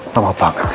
lama banget sih